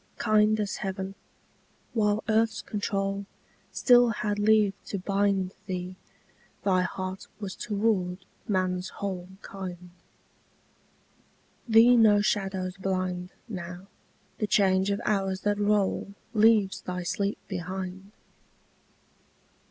Kind as heaven, while earth's control Still had leave to bind Thee, thy heart was toward man's whole Kind. Thee no shadows blind Now: the change of hours that roll Leaves thy sleep behind.